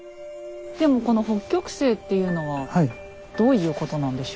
でもこの北極星っていうのはどういうことなんでしょう？